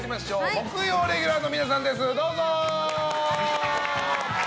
木曜レギュラーの皆さんです。